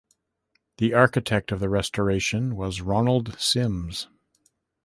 The architect of the restoration was Ronald Sims.